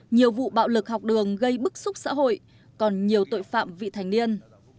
nhiều vụ bạo lực học đường gây bức xúc xã hội còn nhiều tội phạm vị thành niên